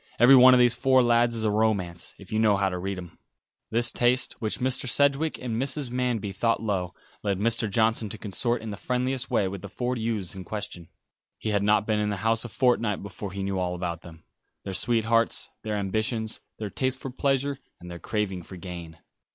Every one of those four lads is a romance, if you know how to read him." This taste, which Mr. Sedgewick and Mrs. Manby thought low, led Mr. Johnson to consort in the friendliest way with the four youths in question. He had not been in the house a fortnight before he knew all about them; their sweethearts; their ambitions; their tastes for pleasure, and their craving for gain.